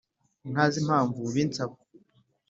ntazi nimpamvu ubinsaba